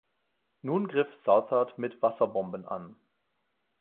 Nun griff "Southard" mit Wasserbomben an.